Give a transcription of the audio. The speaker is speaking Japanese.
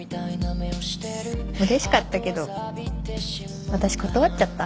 嬉しかったけど私断っちゃった。